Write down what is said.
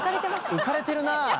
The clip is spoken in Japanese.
浮かれてるなぁ。